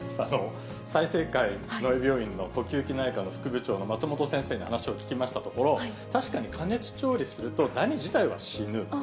済生会野江病院の呼吸器内科の副部長の松本先生に話を聞きましたところ、確かに加熱調理すると、ダニ自体は死ぬ。